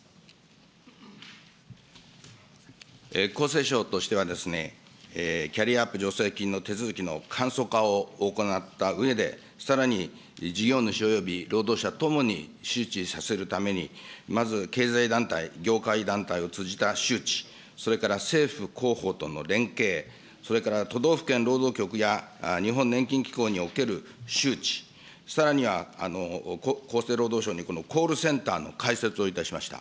厚生省としてはですね、キャリアアップ助成金の手続きの簡素化を行ったうえで、さらに、事業主および労働者ともに周知させるために、まず経済団体、業界団体を通じた周知、それから政府広報との連携、それから都道府県労働局や日本年金機構における周知、さらには厚生労働省にコールセンターの開設をいたしました。